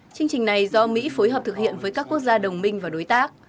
chương trình này do mỹ phối hợp thực hiện với các quốc gia đồng minh và đối tác